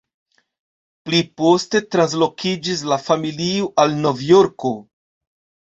Pli poste translokiĝis la familio al Novjorko.